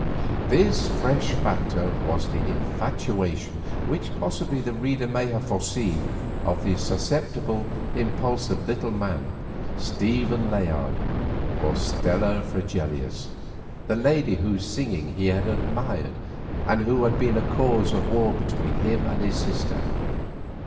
This fresh factor was the infatuation, which possibly the reader may have foreseen, of the susceptible, impulsive little man, Stephen Layard, for Stella Fregelius, the lady whose singing he had admired, and who had been a cause of war between him and his sister.